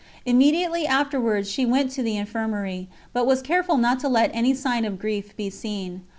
Immediately afterwards she went to the Infirmary, but was careful not to let any sign of grief be seen.